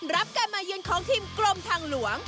รับการมาเยือนของทีมกรมทางหลวง